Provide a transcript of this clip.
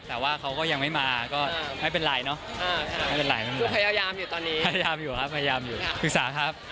แต่ว่าเขาก็ยังไม่มาก็ไม่เป็นไรเนอะ